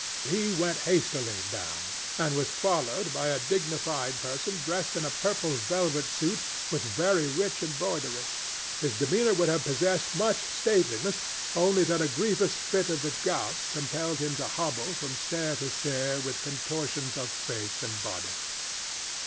He went hastily down, and was followed by a dignified person dressed in a purple velvet suit with very rich embroidery; his demeanor would have possessed much stateliness, only that a grievous fit of the gout compelled him to hobble from stair to stair with contortions of face and body.